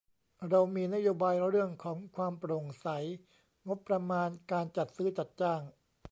เรามีนโยบายเรื่องของความโปร่งใส งบประมาณการจัดซื้อจัดจ้าง